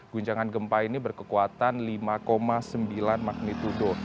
guncangan gempa ini berkekuatan lima sembilan magnitudo